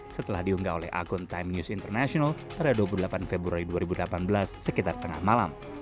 setelah diunggah oleh akun time news international pada dua puluh delapan februari dua ribu delapan belas sekitar tengah malam